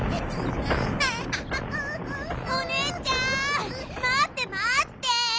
おねえちゃんまってまって。